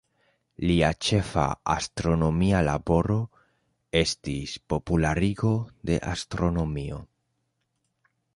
Lia ĉefa astronomia laboro estis popularigo de astronomio.